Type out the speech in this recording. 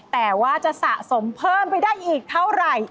แต่ว่าจะสะสมเพิ่มไปได้อีกเท่าไหร่